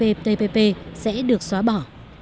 các thành viên cptpp sẽ được xóa bỏ